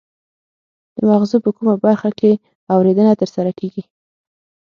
د مغزو په کومه برخه کې اوریدنه ترسره کیږي